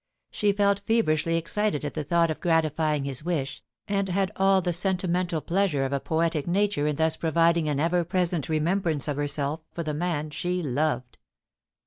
She felt feverishly excited at the thought of gratifying his wish, and had all the sentimental pleasure of a poetic nature in thus providing an ever present remembrance of herself for the man she loved.